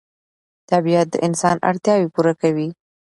طبیعت د انسان اړتیاوې پوره کوي